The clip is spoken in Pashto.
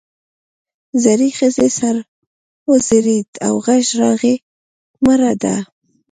زړې ښځې سر وځړېد او غږ راغی مړه ده.